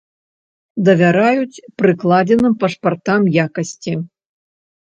Давяраюць прыкладзеным пашпартам якасці.